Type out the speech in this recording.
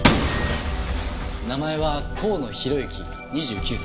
名前は甲野弘之２９歳。